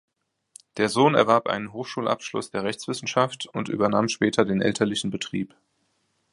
Der Sohn erwarb einen Hochschulabschluss der Rechtswissenschaft und übernahm später den elterlichen Betrieb.